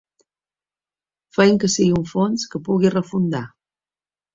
Fem que sigui un fons que pugui refundar.